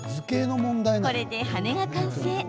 これで羽が完成。